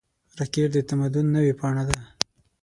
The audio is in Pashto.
راکټ د تمدن نوې پاڼه ده